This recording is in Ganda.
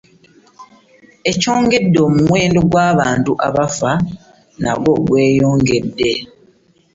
Ekyongedde omuwendo gw'abantu abafa nagwo okweyongera